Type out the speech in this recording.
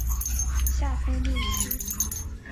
下分六区。